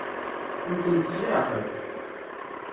Mmtemt s leɛqel!